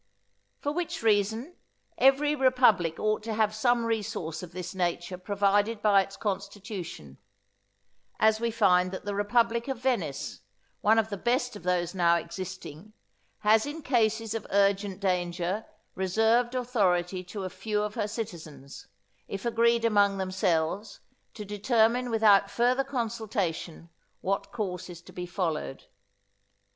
For which reason, every republic ought to have some resource of this nature provided by its constitution; as we find that the Republic of Venice, one of the best of those now existing, has in cases of urgent danger reserved authority to a few of her citizens, if agreed among themselves, to determine without further consultation what course is to be followed.